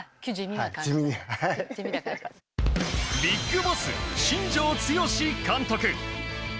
ビッグボス、新庄剛志監督。